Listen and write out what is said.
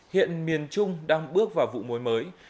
hiện miền trung đang bước vào vụ muối mới